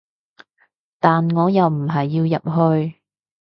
但我又唔係要入去